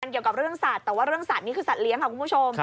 เกี่ยวกับเรื่องสัตว์แต่ว่าเรื่องสัตว์นี่คือสัตเลี้ยงค่ะคุณผู้ชม